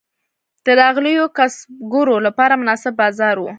د راغلیو کسبګرو لپاره مناسب بازار و.